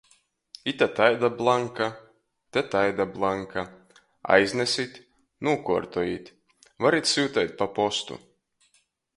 Ite taida blanka, te taida blanka. Aiznesit, nūkuortojit. Varit syuteit pa postu.